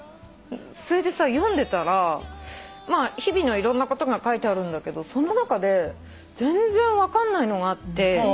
それでさ読んでたらまあ日々のいろんなことが書いてあるんだけどその中で全然分かんないのがあって。